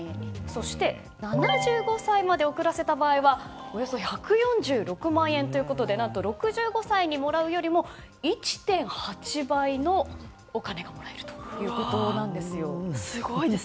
そして７５歳まで遅らせた場合はおよそ１４６万円ということで何と６５歳にもらうよりも１．８倍のお金がもらえるすごいです。